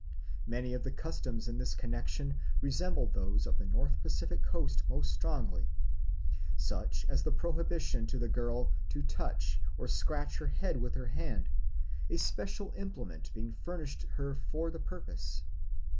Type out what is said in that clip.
Many of the customs in this connection resembled those of the North Pacific Coast most strongly, such as the prohibition to the girl to touch or scratch her head with her hand, a special implement being furnished her for the purpose.